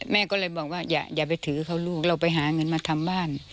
แม่ก็เลยบอกว่าอย่าไปถือเขาลูกเราไปหาเงินมาทำบ้าน